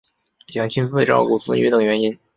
想亲自照顾子女等原因